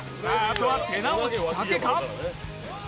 あとは手直しだけか？